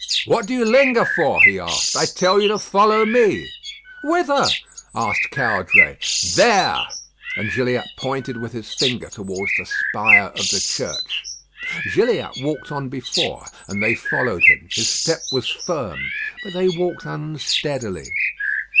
"What do you linger for?" he asked. "I tell you to follow me." "Whither?" asked Caudray. "There!" And Gilliatt pointed with his finger towards the spire of the church. Gilliatt walked on before, and they followed him. His step was firm; but they walked unsteadily.